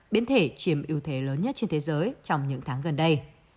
biến thể chiếm ưu thế lớn nhất trên thế giới trong những tháng gần đây